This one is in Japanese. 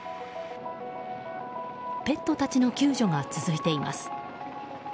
ペットたちの救助が続いています。